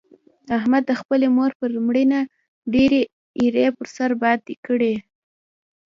احمد د خپلې مور پر مړینه ډېرې ایرې پر سر باد کړلې.